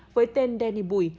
với tên danny bùi